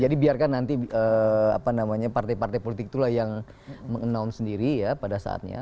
jadi biarkan nanti apa namanya partai partai politik itulah yang mengenam sendiri ya pada saatnya